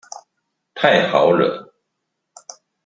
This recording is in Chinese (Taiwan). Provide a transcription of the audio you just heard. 太好惹